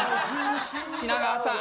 品川さん。